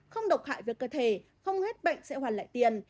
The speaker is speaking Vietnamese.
không độc hại về cơ thể không hết bệnh sẽ hoàn lại tiền